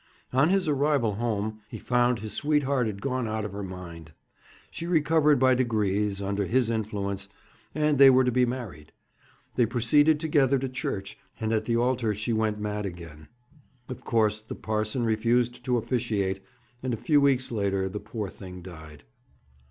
On his arrival home, he found his sweetheart had gone out of her mind. She recovered by degrees, under his influence, and they were to be married. They proceeded together to church, and at the altar she went mad again. Of course, the parson refused to officiate, and a few weeks later the poor thing died.'